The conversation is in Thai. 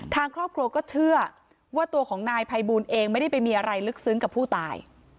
ทางครอบครัวก็เชื่อว่าตัวของนายภัยบูลเองไม่ได้ไปมีอะไรลึกซึ้งกับผู้ตาย